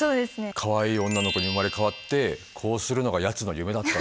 かわいい女の子に生まれ変わってこうするのがやつの夢だったんだ。